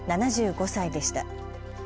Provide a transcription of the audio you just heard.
７５歳でした。